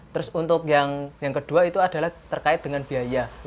terus untuk yang kedua itu adalah terkait dengan biaya